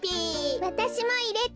わたしもいれて。